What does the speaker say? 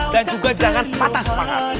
dan juga jangan patah semangat